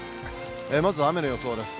まず雨の予想です。